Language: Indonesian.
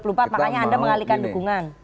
makanya anda mengalihkan dukungan